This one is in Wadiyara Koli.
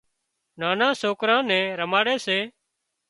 نانان سوڪران نين رماڙي سي